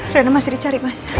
reina masih dicari mas